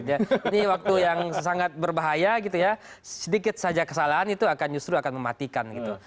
ini waktu yang sangat berbahaya gitu ya sedikit saja kesalahan itu akan justru akan mematikan gitu